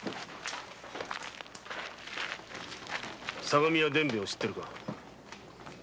相模屋伝兵ヱを知っているか？